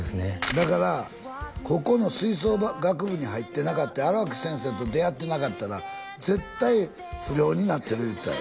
だからここの吹奏楽部に入ってなかって荒木先生と出会ってなかったら絶対不良になってる言うてたよ